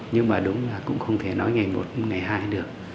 nhưng mà đúng là cũng không thể nói ngày một ngày hai được